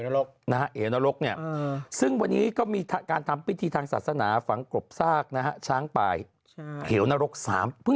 แล้วบ้านที่เขาจัดให้แต่ของแม่ถ้าบ้านว่าเกิดอะไรขึ้น